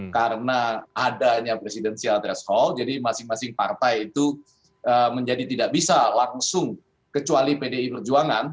karena adanya presidenial threshold jadi masing masing partai itu menjadi tidak bisa langsung kecuali pdi perjuangan